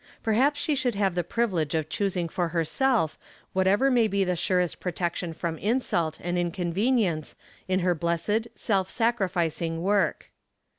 Perhaps she should have the privilege of choosing for herself whatever may be the surest protection from insult and inconvenience in her blessed, self sacrificing work.